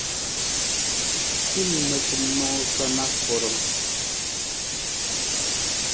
Hin noosanoosa na karam.